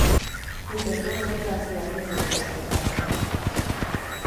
Līdz ar to filtrācijā pieteikties viņš nevar.